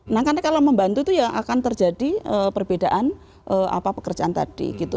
nah karena kalau membantu itu ya akan terjadi perbedaan pekerjaan tadi gitu